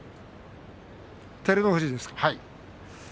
照ノ富士ですか？